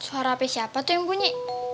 suara apa siapa tuh yang bunyi